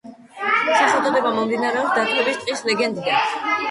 სახელწოდება მომდინარეობს დათვების ტყის ლეგენდიდან.